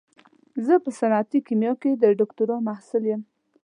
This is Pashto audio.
زه په صنعتي کيميا کې د دوکتورا محصل يم.